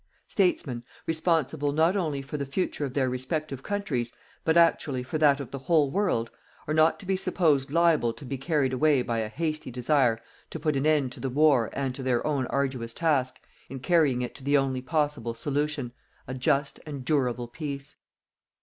Statesmen, responsible, not only for the future of their respective countries, but, actually, for that of the whole world, are not to be supposed liable to be carried away by a hasty desire to put an end to the war and to their own arduous task in carrying it to the only possible solution: A JUST AND DURABLE PEACE.